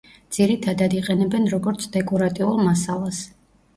ძირითადად იყენებენ როგორც დეკორატიულ მასალას.